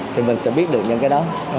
thì mình sẽ biết được những cái đó